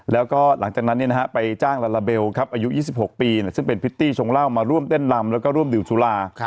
แล้วก็หลังจากนั้นไปจ้างลาลาเบลอายุ๒๖ปีซึ่งเป็นพริตตี้ชงเหล้ามาร่วมเต้นลำแล้วก็ร่วมดื่มสุรา